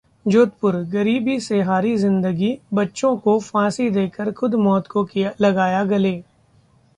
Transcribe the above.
जोधपुरः गरीबी से हारी जिंदगी, बच्चों को फांसी देकर खुद मौत को लगाया गले